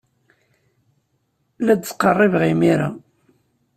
La d-ttqerribeɣ imir-a.